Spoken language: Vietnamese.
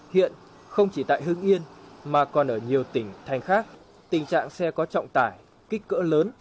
hiện không chỉ tại hưng yên mà còn ở nhiều tỉnh thành khác tình trạng xe có trọng tải kích cỡ lớn